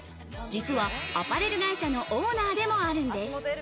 実はアパレル会社のオーナーでもあるんです。